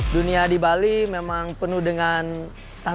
dunia di bali memang penuh dengan tantangan